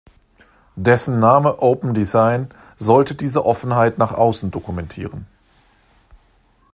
Dessen Name Open Design sollte diese Offenheit nach außen dokumentieren.